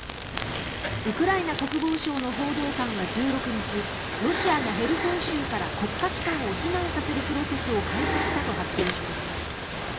ウクライナ国防省の報道官は１６日ロシアがヘルソン州から国家機関を避難させるプロセスを開始したと発表しました。